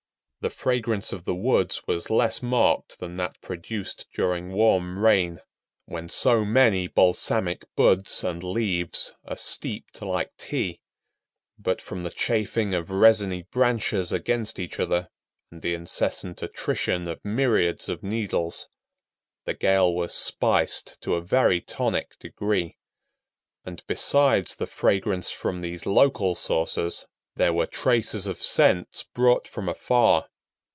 The fragrance of the woods was less marked than that produced during warm rain, when so many balsamic buds and leaves are steeped like tea; but, from the chafing of resiny branches against each other, and the incessant attrition of myriads of needles, the gale was spiced to a very tonic degree. And besides the fragrance from these local sources there were traces of scents brought from afar.